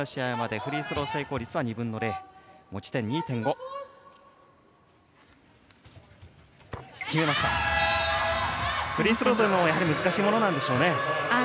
フリースローというのも難しいものですね。